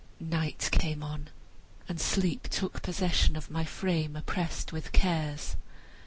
Night came on and sleep took possession of my frame oppressed with cares.